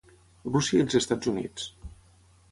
Rússia i els Estats Units.